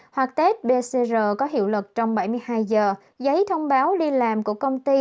hoặc test pcr có hiệu lực trong bảy mươi hai giờ giấy thông báo đi làm của công ty